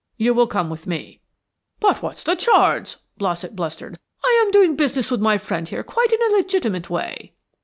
You will come with me " "But what's the charge?" Blossett blustered. "I am doing business with my friend here quite in a legitimate way."